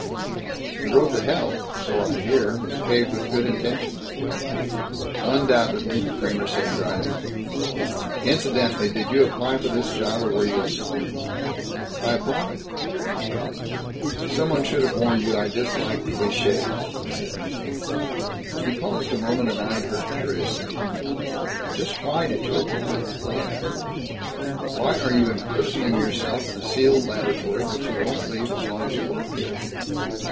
"The road to hell, so I hear, is paved with good intentions." "Undoubtedly," Kramer said dryly. "Incidentally, did you apply for this job or were you assigned?" "I applied." "Someone should have warned you I dislike clichés," he said. He paused a moment and eyed her curiously. "Just why did you apply?" he asked. "Why are you imprisoning yourself in a sealed laboratory which you won't leave as long as you work here.